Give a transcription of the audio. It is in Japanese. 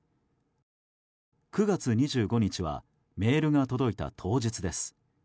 ９月２５日はメールが届いた当日です。